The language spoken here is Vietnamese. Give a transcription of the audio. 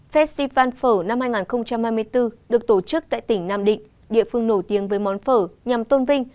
festival phở năm hai nghìn hai mươi bốn được tổ chức tại tỉnh nam định địa phương nổi tiếng với món phở nhằm tôn vinh